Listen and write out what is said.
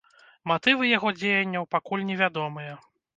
Матывы яго дзеянняў пакуль невядомыя.